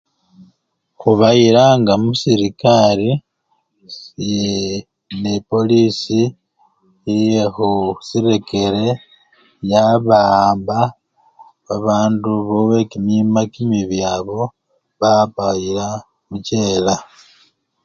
Khubayilanga muserekari iyii! nepolisi iyekhusirekere yabawamba babandu bekimima kimibi abo babayila muchela.